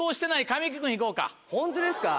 行こうか。